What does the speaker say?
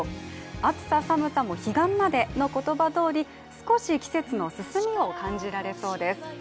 暑さ寒さも彼岸までの言葉どおり少し季節の進みを感じられそうです。